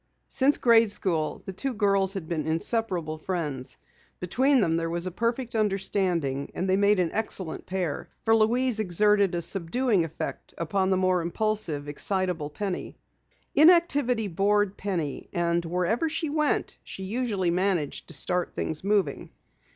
Since grade school days the two girls had been inseparable friends. Between them there was perfect understanding and they made an excellent pair, for Louise exerted a subduing effect upon the more impulsive, excitable Penny. Inactivity bored Penny, and wherever she went she usually managed to start things moving.